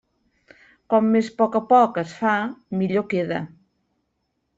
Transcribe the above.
Com més a poc a poc es fa, millor queda.